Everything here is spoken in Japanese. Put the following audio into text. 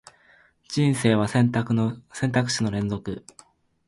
人生は選択肢の連続